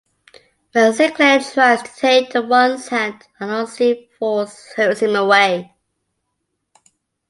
When Sinclair tries to take the One's hand, an unseen force hurls him away.